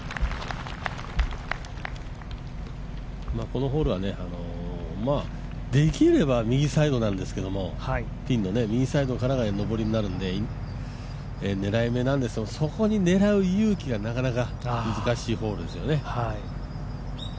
このホールはね、できれば右サイドなんですけどピンの右サイドからが上りになるんで、狙い目なんですけどそこに狙う勇気がなかなか難しいホールですよね。